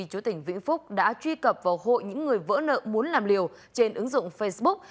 chú tỉnh vĩnh phúc đã truy cập vào hội những người vỡ nợ muốn làm liều trên ứng dụng facebook